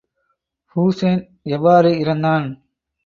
Hussein எவ்வாறு இறந்தான்?